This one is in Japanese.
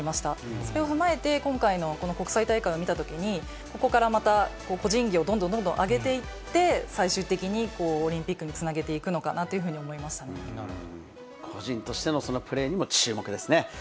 それを踏まえて今回のこの国際大会を見たときに、ここからまた、個人技をどんどんどんどん上げていって、最終的にオリンピックにつなげていくのかなというふうに思いまし個人としての、そのプレーにも注目ですね。